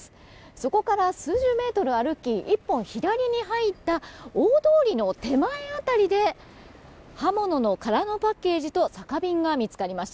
そこから数十メートル歩き１本、左に入った大通りの手前辺りで刃物の空のパッケージと酒瓶が見つかりました。